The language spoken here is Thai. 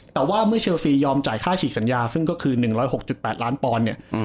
แต่ว่าเมื่อเชลซียอมจ่ายค่าฉีกสัญญาซึ่งก็คือ๑๐๖๘ล้านปอนด์เนี่ย